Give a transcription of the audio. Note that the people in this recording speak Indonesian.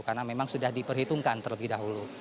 karena memang sudah diperhitungkan terlebih dahulu